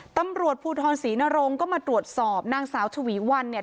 ตำรวจภูทรศรีนรงก็มาตรวจสอบนางสาวชวีวันเนี่ย